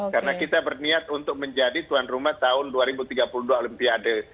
karena kita berniat untuk menjadi tuan rumah tahun dua ribu tiga puluh dua olimpiade